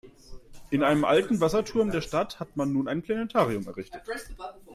In einem alten Wasserturm der Stadt hat man nun ein Planetarium errichtet.